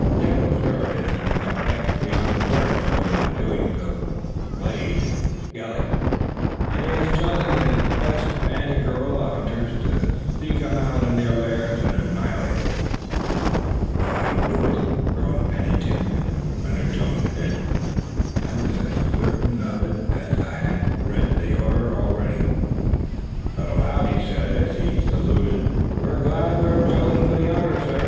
"General Sheridan has become vexed beyond endurance over the doings of Slade and Skelly, and he has chosen his best band of guerrilla hunters to seek 'em out in their lairs and annihilate 'em." "I knew it," groaned Pennington in an undertone to Dick. "I was as certain of it as if I had read the order already." But aloud he said as he saluted: "We're glad we're chosen for the honor, sir.